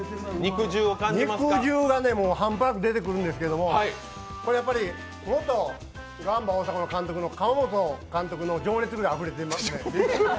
肉汁がハンバーグ出てくるんですけれども、これやっぱり元ガンバ大阪の監督の情熱ぐらいあふれてます。